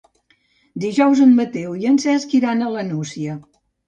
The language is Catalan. Dijous en Mateu i en Cesc iran a la Nucia.